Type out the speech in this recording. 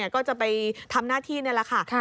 ก็จะไปทำหน้าที่นี่แหละค่ะ